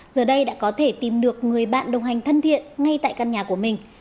giờ đây đã có thể tìm được người bạn đồng hành thân thiện ngay tại căn nhà của mình